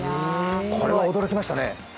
これは驚きましたね。